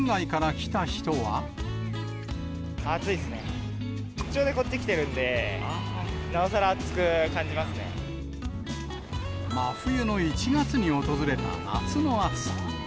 出張でこっち来てるんで、真冬の１月に訪れた夏の暑さ。